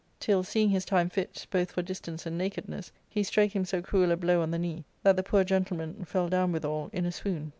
293 till, seeing his time fit, both for distance and nakedness, he strake him so cruel a blow on the knee that the poor gentle man fell down withal in a swound.